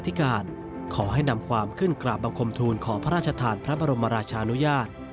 ที่การขอให้นำความขึ้นกราบบังคมทูลขอพระราชทานพระบรมราชานุญาต